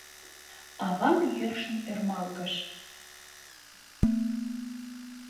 Авам йӧршын ӧрмалгыш.